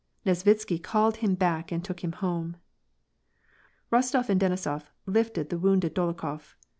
Nesvitsky called him back and took him lionje. Eostof and Denisof lifted the wounded Dolokhof.